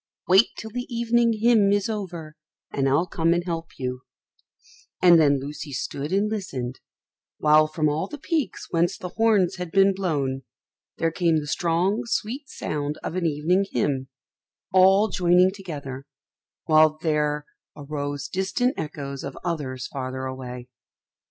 Wait till the evening hymn is over, and I'll come and help you;" and then Lucy stood and listened, while from all the peaks whence the horns had been blown there came the strong sweet sound of an evening hymn, all joining together, while there arose distant echoes of others farther away.